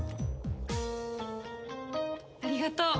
ありがとう。